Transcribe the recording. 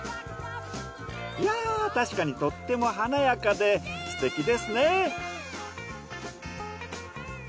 いや確かにとっても華やかですてきですね。